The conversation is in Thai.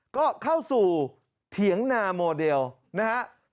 ก็เข้าสู่เถียงนามอเดลนะครับ